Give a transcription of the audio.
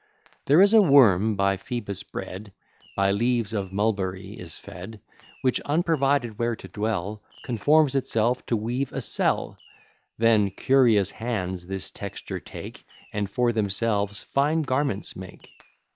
There is a worm by Phoebus bred, By leaves of mulberry is fed, Which unprovided where to dwell, Conforms itself to weave a cell; Then curious hands this texture take, And for themselves fine garments make.